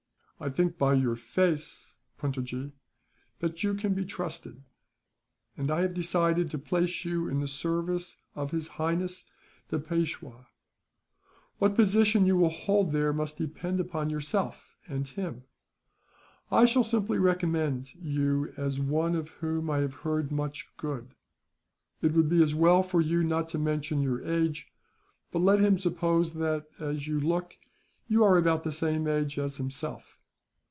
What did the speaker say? "I think by your face, Puntojee, that you can be trusted; and I have decided to place you in the service of His Highness, the Peishwa. What position you will hold there must depend upon yourself, and him. I shall simply recommend you as one of whom I have heard much good. It would be as well for you not to mention your age; but let him suppose that, as you look, you are about the same age as himself.